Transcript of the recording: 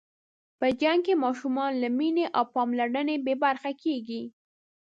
په جنګ کې ماشومان له مینې او پاملرنې بې برخې کېږي.